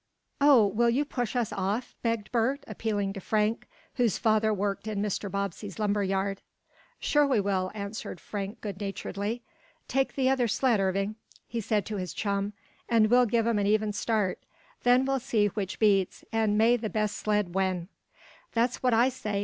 "Oh, will you push us off?" begged Bert, appealing to Frank, whose father worked in Mr. Bobbsey's lumber yard. "Sure we will," answered Frank goodnaturedly. "Take the other sled, Irving," he said to his chum, "and we'll give 'em an even start. Then we'll see which beats, and may the best sled win!" "That's what I say!"